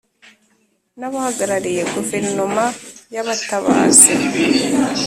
n abahagarariye Guverinoma y abatabazi